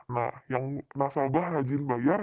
nah yang nasabah rajin bayar